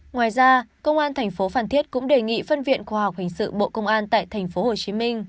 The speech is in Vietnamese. ngoài ra công an tp phan thiết cũng đề nghị phân viện khoa học hình sự bộ công an tại tp hồ chí minh